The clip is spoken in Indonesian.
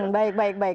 baik baik baik